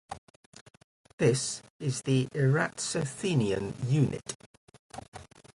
This is the Eratosthenian unit.